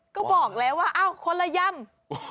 ก็บอกแล้วว่าคนละยำ